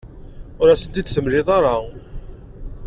Ur asen-t-id-temliḍ ara.